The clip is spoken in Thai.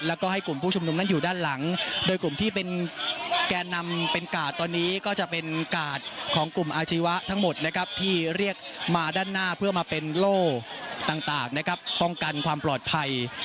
แล้วก็ให้กลุ่มผู้ชุมนุมนั้นอยู่ด้านหลังโดยกลุ่มที่เป็นแก่นำเป็นกาดตอนนี้ก็จะเป็นกาดของกลุ่มอาชีวะทั้งหมดนะครับที่เรียกมาด้านหน้าเพื่อมาเป็นโล่ต่างนะครับป้องกันความปลอดภัย